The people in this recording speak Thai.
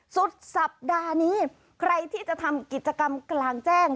สุดสัปดาห์นี้ใครที่จะทำกิจกรรมกลางแจ้ง